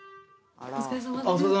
あっお疲れさまです。